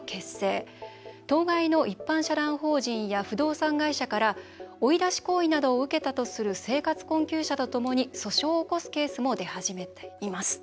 当該の一般社団法人や不動産会社から追い出し行為などを受けたとする生活困窮者とともに訴訟を起こすケースも出始めています。